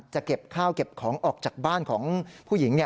เก็บข้าวเก็บของออกจากบ้านของผู้หญิง